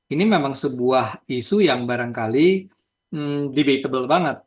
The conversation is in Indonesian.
ini memang sebuah isu yang barangkali debatable banget